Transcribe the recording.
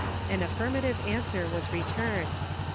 An affirmative answer was returned.